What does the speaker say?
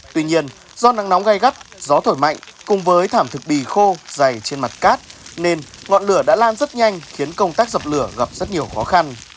tuy nhiên do nắng nóng gai gắt gió thổi mạnh cùng với thảm thực bì khô dày trên mặt cát nên ngọn lửa đã lan rất nhanh khiến công tác dập lửa gặp rất nhiều khó khăn